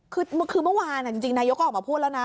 คือเมื่อวานจริงนายกก็ออกมาพูดแล้วนะ